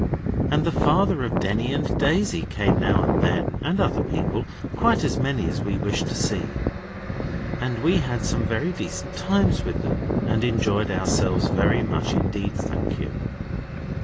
And the father of Denny and Daisy came now and then, and other people, quite as many as we wished to see. And we had some very decent times with them; and enjoyed ourselves very much indeed, thank you.